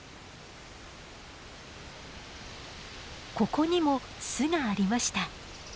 ここにも巣がありました。